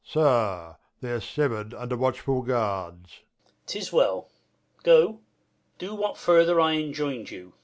Prov. Sir, they are sever'd under watchful guards. Duke. 'Tis well. Go, do what further I enjoiu'd you.